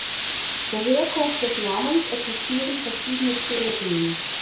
Zur Herkunft des Namens existieren verschiedene Theorien.